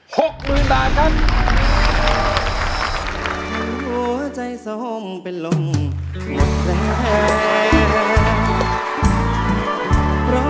หกหมื่นบาทครับ